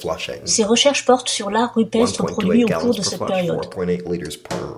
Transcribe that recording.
Ses recherches portent sur l'art rupestre produit au cours de cette période.